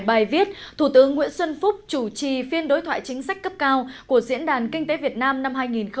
bài viết thủ tướng nguyễn xuân phúc chủ trì phiên đối thoại chính sách cấp cao của diễn đàn kinh tế việt nam năm hai nghìn một mươi chín